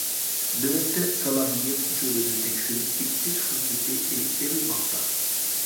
نۆۋەتتە سالاھىيەت ئۇچۇرىنى تەكشۈرۈپ بېكىتىش خىزمىتى ئېلىپ بېرىلماقتا.